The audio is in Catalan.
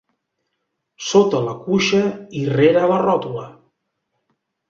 Sota la cuixa i rere la ròtula.